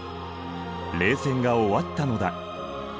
冷戦が終わったのだ。